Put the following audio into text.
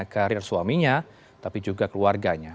karir suaminya tapi juga keluarganya